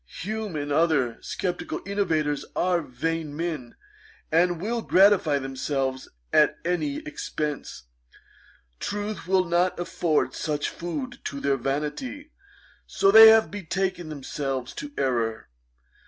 Hume, and other sceptical innovators, are vain men, and will gratify themselves at any expence. Truth will not afford sufficient food to their vanity; so they have betaken themselves to errour.